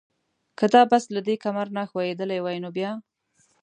که دا بس له دې کمر نه ښویېدلی وای نو بیا؟